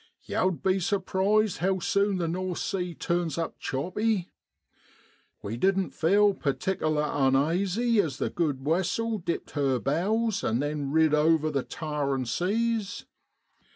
Yow'd be surprised how sune the North Sea turns up choppy. We didn't feel pertikerler unaisy as the good wessel dipped her bows an' then rid over the towerin' seas.